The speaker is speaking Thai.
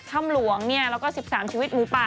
ชำหลวงแล้วก็สิบสามชีวิตหมุปะ